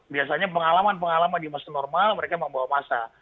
biasanya pengalaman pengalaman di masa normal mereka membawa masa